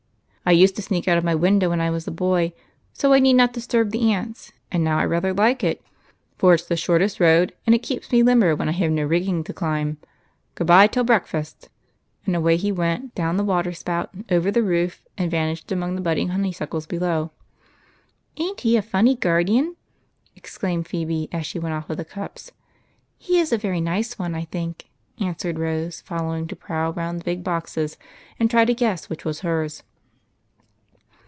" I used to sneak out of my window when I was a boy, so I need not disturb the aunts, and now I rather like it, for it 's the shortest road, and it keeps me lim 32 EIGHT COUSINS. ber when I have no rigging to climb. Good by till breakfast." And away he went down the water spout, over the roof, and vanished among the budding honey suckles below. "Ain't he a funny guardeen?" exclaimed Phebe, as she went off with the cups. " He is a very kind one, I think," answered Rose, following, to prowl round the big boxes and try to guess which was hers.